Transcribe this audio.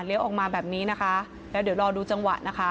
ออกมาแบบนี้นะคะแล้วเดี๋ยวรอดูจังหวะนะคะ